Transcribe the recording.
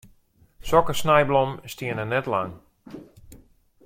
Sokke snijblommen steane net lang.